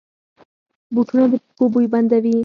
بوټونه د پښو بوی بندوي.